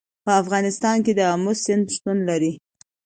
په افغانستان کې د آمو سیند شتون لري.